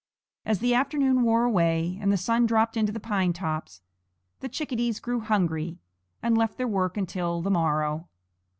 As the afternoon wore away, and the sun dropped into the pine tops, the chickadees grew hungry, and left their work until the morrow.